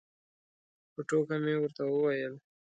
په ټوکه مې ورته وویل.